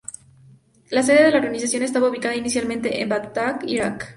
La sede de la organización estaba ubicada inicialmente en Bagdad, Irak.